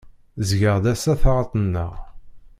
Ẓgeɣ-d ass-a taɣaṭ-nneɣ.